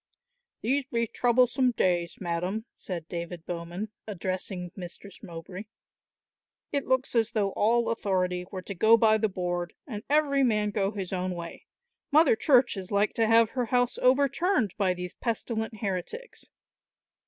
"These be troublesome days, madam," said David Bowman, addressing Mistress Mowbray. "It looks as though all authority were to go by the board and every man go his own way. Mother Church is like to have her house overturned by these pestilent heretics."